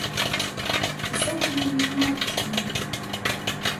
Эсогыл дневникымат ыштен.